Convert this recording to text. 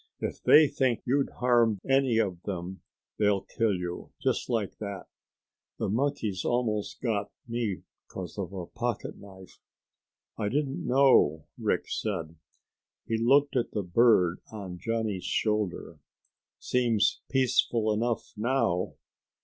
If they think you'd harm any of them, they'll kill you, just like that. The monkeys almost got me 'cause of a pocket knife." "I didn't know," Rick said. He looked at the bird on Johnny's shoulder. "Seems peaceful enough now."